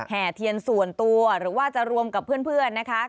เทียนส่วนตัวหรือว่าจะรวมกับเพื่อนนะคะ